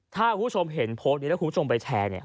ถ้าผู้ชมเห็นโพสต์แล้วผู้ชมไปแชร์เนี่ย